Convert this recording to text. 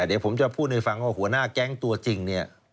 เดี๋ยวผมจะพูดให้ฟังว่าหัวหน้าแก๊งตัวจริงเนี่ย